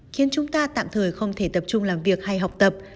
khiến chúng ta tạm thời không thể tập trung làm việc hay học tập